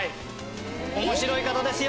面白い方ですよ